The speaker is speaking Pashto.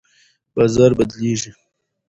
بازار بدلیږي.